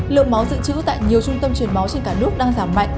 lượng máu dự trữ tại nhiều trung tâm truyền máu trên cả nước đang giảm mạnh